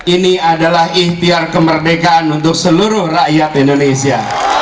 ini adalah ikhtiar kemerdekaan untuk seluruh rakyat indonesia